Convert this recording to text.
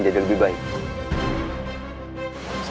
terima kasih ya